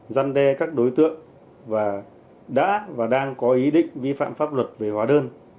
giăn đe các đối tượng và đã và đang có ý định vi phạm pháp luật về hóa đơn